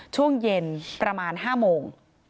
ช่วงเย็นประมาณ๕โมง